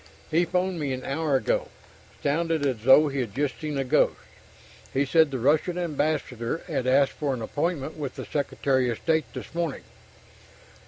"He phoned me an hour ago. Sounded as though he'd just seen a ghost. He said the Russian ambassador had asked for an appointment with the Secretary of State this morning...."